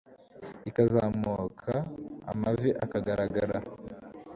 ikazamuka amavi aka garagara